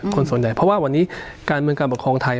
คนส่วนใหญ่เพราะว่าวันนี้การเมืองการปกครองไทย